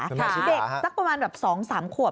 คุณแม่ชื่อสาสักประมาณ๒๓ขวบ